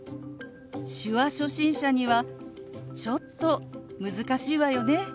手話初心者にはちょっと難しいわよね。